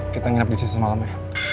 kita nginap di situ semalam ya